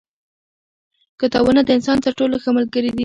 کتابونه د انسان تر ټولو ښه ملګري دي.